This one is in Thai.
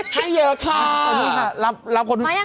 ให้เยอะค่ะ